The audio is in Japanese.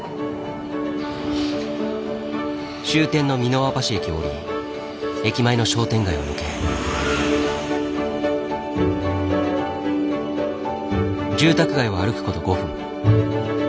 終点の三ノ輪橋駅を降り駅前の商店街を抜け住宅街を歩くこと５分。